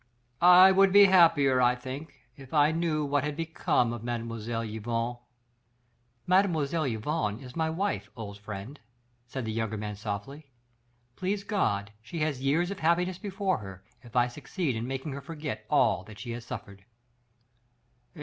I would be happier, I think, if I knew what had become of Mlle. Yvonne." "Mlle. Yvonne is my wife, old friend," said the younger man softly. "Please God she has years of happiness before her, if I succeed in making her forget all that she has suffered."